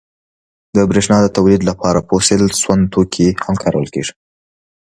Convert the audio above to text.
• د برېښنا د تولید لپاره فوسیل سون توکي هم کارول کېږي.